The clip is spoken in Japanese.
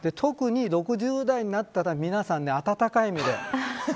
特に６０代になったら皆さん、温かい目で。